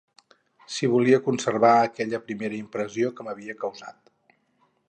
Si volia conservar aquella primera impressió que m'havia causat